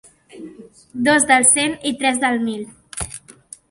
Dos del cent i tres del mil.